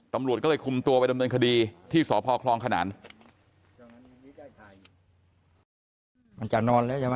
ตำรวจก็เลยคุมตัวไปดำเนินคดีที่สพคลองขนาน